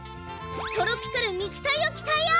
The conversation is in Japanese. トロピカる肉体をきたえよう！」